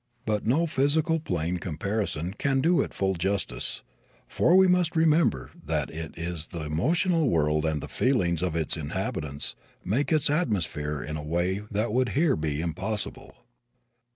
But no physical plane comparison can do it full justice, for we must remember that it is the emotional world and that the feelings of its inhabitants make its atmosphere in a way that would here be impossible.